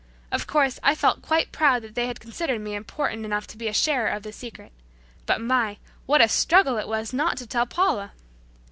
Of course, I felt quite proud that they had considered me important enough to be a sharer of the secret. But my! What a struggle it was not to tell Paula!